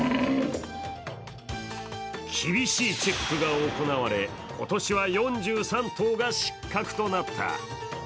厳しいチェックが行われ、今年は４３頭が失格となった。